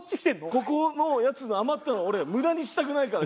ここのやつの余ったのを俺無駄にしたくないから。